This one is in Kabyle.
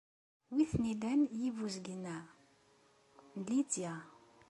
Wi ten-ilan yibuzgen-a? N Lidya.